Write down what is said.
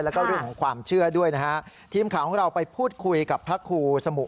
แล้วก็เรื่องของความดีแล้วมาทำให้พังแม่เพียวเจ็บนะครับ